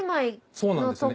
そうなんですね。